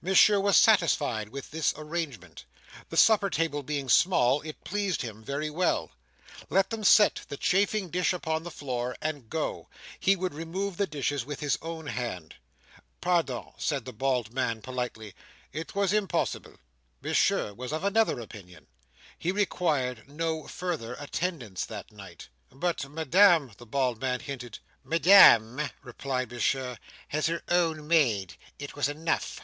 Monsieur was satisfied with this arrangement. The supper table being small, it pleased him very well. Let them set the chafing dish upon the floor, and go. He would remove the dishes with his own hands. "Pardon!" said the bald man, politely. "It was impossible!" Monsieur was of another opinion. He required no further attendance that night. "But Madame—" the bald man hinted. "Madame," replied Monsieur, "had her own maid. It was enough."